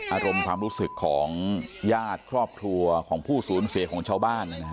อารมณ์ความรู้สึกของญาติครอบครัวของผู้สูญเสียของชาวบ้าน